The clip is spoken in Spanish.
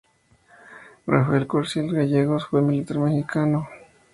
Rafael Curiel Gallegos fue un militar mexicano que participó en la Revolución mexicana.